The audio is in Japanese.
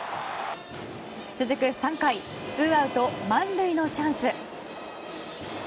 続く３回ツーアウト満塁のチャンス。